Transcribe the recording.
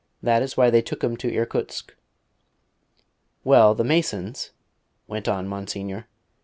That is why they took him to Irkutsk." "Well, the Masons " went on Monsignor.